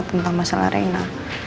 tentang masalah reina